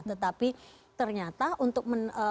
tetapi ternyata untuk mengembangkan